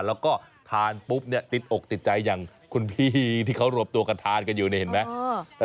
แล้วก็ทานปุ๊บเนี่ยติดอกติดใจอย่างคุณพี่ที่เขารวบตัวกันทานกันอยู่นี่เห็นไหม